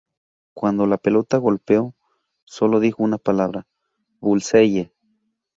Cuando la pelota golpeó, solo dijo una palabra: "Bullseye".